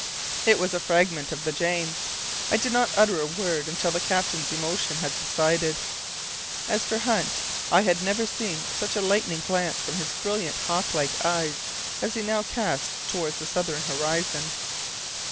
It was a fragment of the Jane! I did not utter a word until the captain's emotion had subsided. As for Hunt, I had never seen such a lightning glance from his brilliant hawk like eyes as he now cast towards the southern horizon.